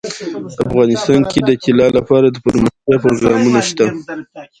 افغانستان کې د طلا لپاره دپرمختیا پروګرامونه شته.